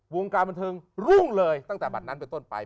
วงการบันเทิงรุ่งเลยตั้งแต่บัตรนั้นเป็นต้นไป